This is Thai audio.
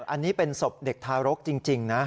อันนี้เป็นศพเด็กทารกจริงนะ